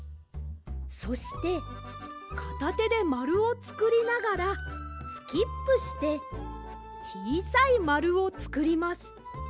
そしてかたてでまるをつくりながらスキップしてちいさいまるをつくります。